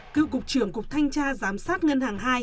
cựu cục trưởng cục thanh tra giám sát ngân hàng hai